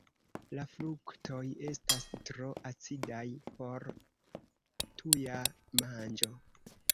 La fruktoj estas tro acidaj por tuja manĝo.